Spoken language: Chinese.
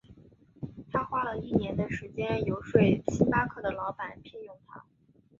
他花了一年的时间游说星巴克的老板聘用他。